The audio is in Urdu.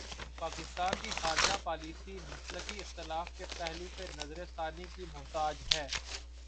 پاکستان کی خارجہ پالیسی مسلکی اختلاف کے پہلو سے نظر ثانی کی محتاج ہے۔